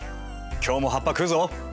今日も葉っぱ食うぞ！